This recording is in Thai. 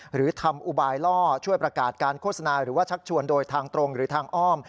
หรือทำอุบายล่อช่วยประกาศการโฆษณาหรือว่าชักชวนโดยทางตรงหรือทางอ้อม